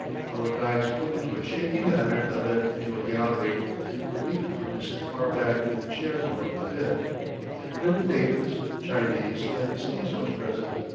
Our guides pointed to a shaky ladder that led into a gallery, but we preferred to sit far back in the chairs about the pit. There were natives, Chinese, and mestizos present.